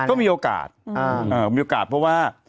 ก็มีโอกาสเพราะว่า